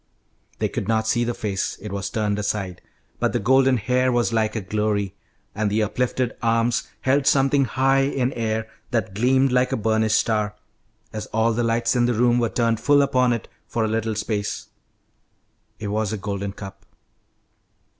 They could not see the face, it was turned aside; but the golden hair was like a glory, and the uplifted arms held something high in air that gleamed like a burnished star, as all the lights in the room were turned full upon it, for a little space. It was a golden cup.